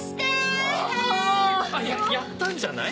やったんじゃない？